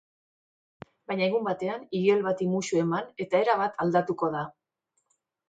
Baina egun batean igel bati muxu eman eta erabat aldatuko da.